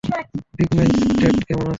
Big man Tate কেমন আছে?